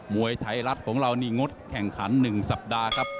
วยไทยรัฐของเรานี่งดแข่งขัน๑สัปดาห์ครับ